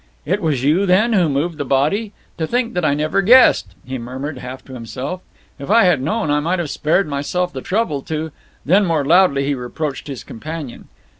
"It was you, then, who moved the body! To think that I never guessed!" he murmured, half to himself. "If I had known, I might have spared myself the trouble to " Then more loudly he reproached his companion.